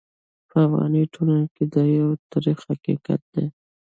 په افغاني ټولنه کې دا یو ترخ حقیقت دی.